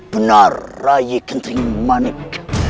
benar raih kenting manik